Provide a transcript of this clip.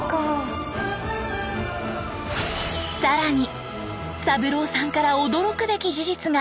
さらに三郎さんから驚くべき事実が！